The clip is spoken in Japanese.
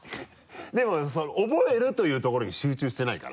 でも覚えるというところに集中してないから。